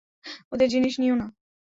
ওদের জিনিস নিও না।